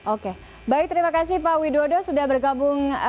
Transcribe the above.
oke baik terima kasih pak widodo sudah bergabung